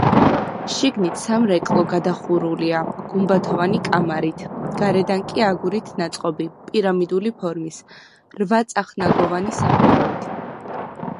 შიგნით სამრეკლო გადახურულია გუმბათოვანი კამარით, გარედან კი, აგურით ნაწყობი, პირამიდული ფორმის, რვაწახნაგოვანი სახურავით.